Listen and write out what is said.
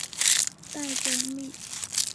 待整理